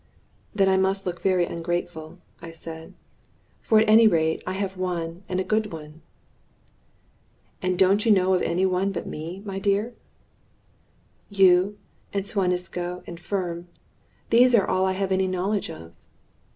"Then I must look very ungrateful," I said; "for at any rate I have one, and a good one." "And don't you know of any one but me, my dear?" "You and Suan Isco and Firm those are all I have any knowledge of."